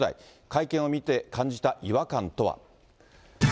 会見を見て感じた違和感とは。